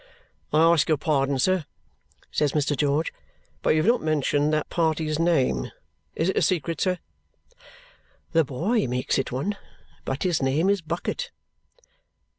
"I ask your pardon, sir," says Mr. George. "But you have not mentioned that party's name. Is it a secret, sir?" "The boy makes it one. But his name is Bucket."